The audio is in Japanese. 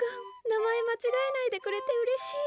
名前間違えないでくれてうれしい！